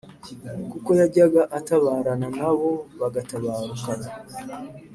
kuko yajyaga atabarana na bo bagatabarukana.